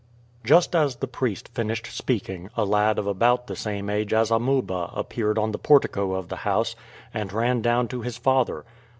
Just as the priest finished speaking, a lad of about the same age as Amuba appeared at the portico of the house, and ran down to his father.